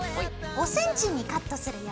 ５ｃｍにカットするよ。